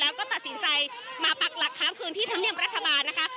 แล้วก็ตัดสินใจมาปักหลักค้างคืนที่ธรรมเนียมรัฐบาลนะคะ